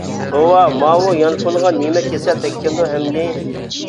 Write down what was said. — توۋا، ماۋۇ يانفونغا نېمە كېسەل تەگكەندۇ ئەمدى!